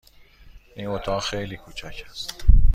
این اتاق خیلی کوچک است.